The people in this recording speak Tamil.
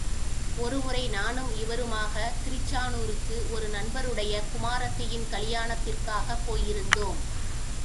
ஒருமுறை நானும் இவருமாகத் திருச்சானூருக்கு ஒரு நண்பருடைய குமாரத்தியின் கலியாணத்திற்காகப் போயிருந்தோம்.